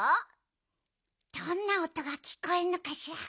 どんなおとがきこえるのかしら。